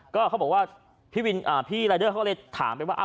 ก็เขาบอกว่าพี่วินอ่าพี่รายเดอร์เขาก็เลยถามไปว่าอ่า